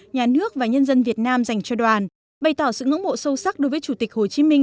nhà nước và nhân dân việt nam dành cho đoàn bày tỏ sự ngưỡng mộ sâu sắc đối với chủ tịch hồ chí minh